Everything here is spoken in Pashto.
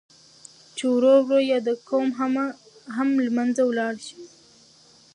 چې ورو ورو ياد قوم هم لمنځه ولاړ شي.